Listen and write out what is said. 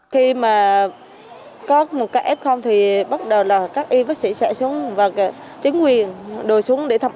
khi mà có một cái f thì bắt đầu là các y bác sĩ sẽ xuống và chứng quyền đổi xuống để thập